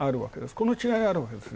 この違いがあるんです。